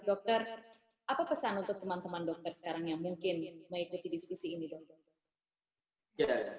dokter apa pesan untuk teman teman dokter sekarang yang mungkin mengikuti diskusi ini dokter